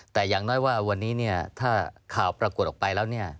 แต่อย่างน้อยว่าวันนี้ถ้าข่าวปรากฏออกไปแล้ว